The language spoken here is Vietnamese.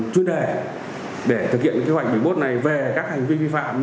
chuyên đề để thực hiện kế hoạch bảy mươi một này về các hành vi vi phạm